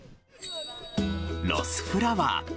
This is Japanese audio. ロスフラワー。